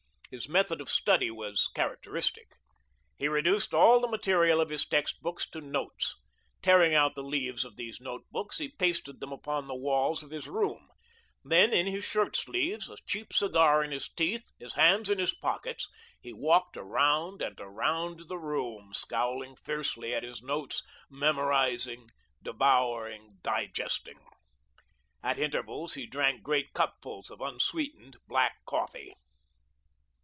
His method of study was characteristic. He reduced all the material of his text books to notes. Tearing out the leaves of these note books, he pasted them upon the walls of his room; then, in his shirt sleeves, a cheap cigar in his teeth, his hands in his pockets, he walked around and around the room, scowling fiercely at his notes, memorising, devouring, digesting. At intervals, he drank great cupfuls of unsweetened, black coffee.